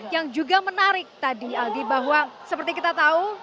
yang juga menarik tadi aldi bahwa seperti kita tahu